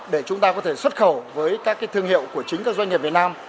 để chúng ta có thể xuất khẩu với các thương hiệu của chính các doanh nghiệp việt nam